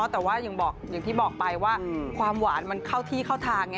แต่ว่าอย่างที่บอกไปว่าความหวานมันเข้าที่เข้าทางไง